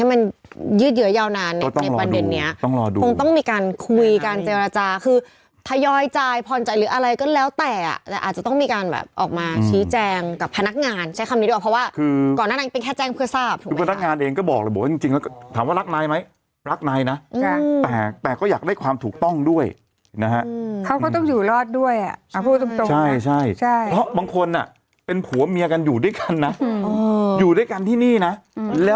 มันยืดเหยียวนานในปัญหาเด็นเนี้ยต้องรอดูต้องมีการคุยกันเจรจาคือถ้ายอยจ่ายผ่อนจ่ายหรืออะไรก็แล้วแต่อ่ะแต่อาจจะต้องมีการแบบออกมาชี้แจงกับพนักงานใช้คำนี้ดีกว่าเพราะว่าก่อนหน้านั้นเป็นแค่แจ้งเพื่อทราบถูกไหมค่ะคือพนักงานเองก็บอกแบบบอกจริงจริงแล้วก็ถามว่ารักนายไหมรักนายน่ะอื